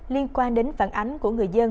liên quan đến phản ánh của người dân